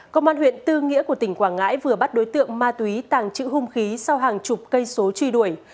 công an huyện tư nghĩa của tỉnh quảng ngãi vừa bắt đối tượng ma túy tàng trữ hung khí sau hàng chục cây số truy đuổi